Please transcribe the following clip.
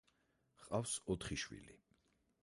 ჰყავს ოთხი შვილი.